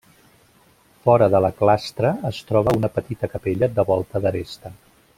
Fora de la clastra es troba una petita capella de volta d'aresta.